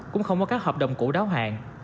cũng không có các hợp đồng cũ đáo hạn